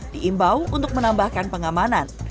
diimbau untuk menambahkan pengamanan